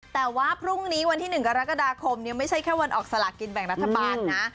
แต่ว่าพรุ่งนี้วันที่๑กรกฎาคมไม่ใช่แค่วันออกสลากินแบ่งรัฐบาลนะ